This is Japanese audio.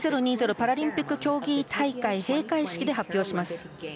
パラリンピック競技大会閉会式で発表します。